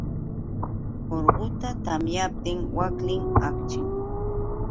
Urquta tamyaptin waklim akchin.